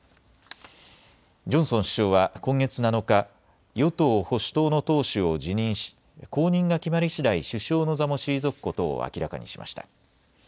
ジョンソン首相は今月７日、与党・保守党の党首を辞任し後任が決まりしだい首相の座も退くことを明らかにしました。